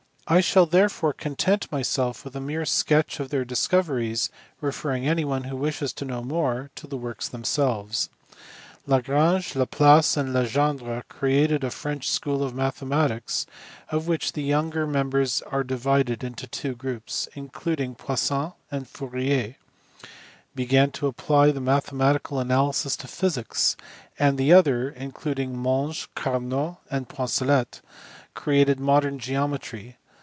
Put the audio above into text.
I shall therefore content myself with a mere sketch of their chief discoveries, referring anyone who wishes to know more to the works themselves. Lagrange, Laplace, and Legendre created a French school of mathematics of which the younger members are divided into two groups ; one (including Poisson and Fourier) began to apply mathematical analysis to physics, and the other (including Monge, Carnot, and Poncelet) created modern geometry.